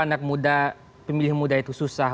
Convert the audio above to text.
anak muda pemilih muda itu susah